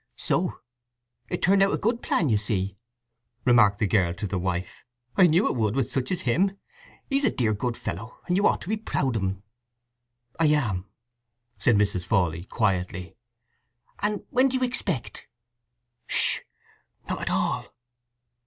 "So it turned out a good plan, you see!" remarked the girl to the wife. "I knew it would with such as him. He's a dear good fellow, and you ought to be proud of un." "I am," said Mrs. Fawley quietly. "And when do you expect?" "Ssh! Not at all."